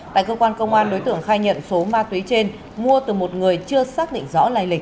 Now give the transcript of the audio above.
tại cơ quan công an đối tượng khai nhận số ma túy trên mua từ một người chưa xác định rõ lây lịch